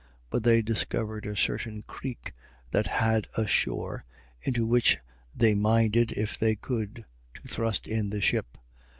But they discovered a certain creek that had a shore, into which they minded, if they could, to thrust in the ship.